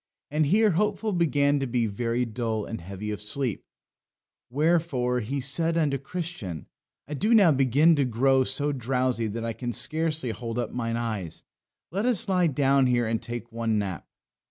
And here Hopeful began to be very dull and heavy of sleep, wherefore he said unto Christian, I do now begin to grow so drowsy that I can scarcely hold up mine eyes; let us lie down here and take one nap."